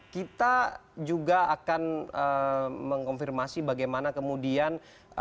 kita juga akan mengkonfirmasi bagaimana kemudian